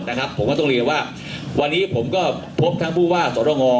นะครับผมก็ต้องเรียนว่าวันนี้ผมก็พบทั้งผู้ว่าสรงอ